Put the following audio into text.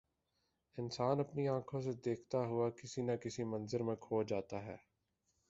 انسان اپنی آنکھوں سے دیکھتا ہوا کسی نہ کسی منظر میں کھو جاتا ہے